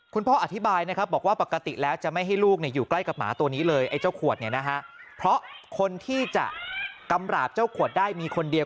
คุณพ่ออธิบายนะครับบอกว่าปกติแล้วจะไม่ให้ลูกเนี่ย